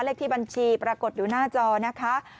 เลขที่บัญชีปรากฏอยู่หน้าจอนะคะ